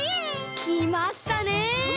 きましたね！